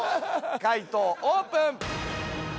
解答オープン。